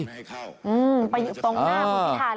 ไปอยู่ตรงหน้าคุณพิทาเลยแหละ